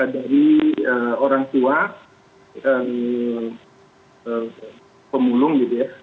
dari orang tua pemulung gitu ya